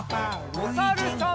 おさるさん。